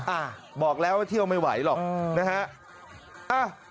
อ่ะบอกแล้วว่าเที่ยวไม่ไหวหรอกนะฮะ